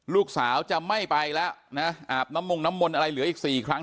ลูกสาวจะไม่ไปแล้วนะอาบน้ำมงน้ำมนต์อะไรเหลืออีก๔ครั้ง